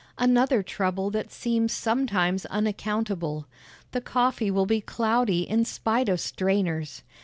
Another trouble that seems sometimes unaccountable: The coffee will be cloudy in spite of strainers.